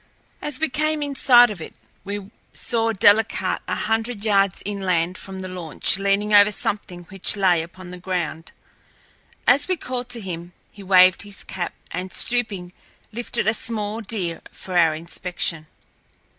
As we came in sight of it we saw Delcarte a hundred yards inland from the launch, leaning over something which lay upon the ground. As we called to him he waved his cap, and stooping, lifted a small deer for our inspection.